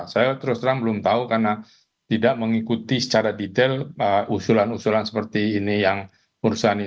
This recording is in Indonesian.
saya terus terang belum tahu karena tidak mengikuti secara detail usulan usulan seperti ini yang urusan itu